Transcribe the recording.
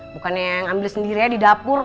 bukannya ambil sendirian di dapur